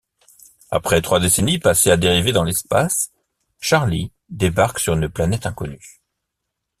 Après trois décennies passées à dériver dans l'espace, Charlie débarque sur une planète inconnue.